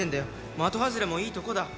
的外れもいいとこだ